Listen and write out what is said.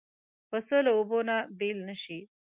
پسه له اوبو نه بېل نه شي.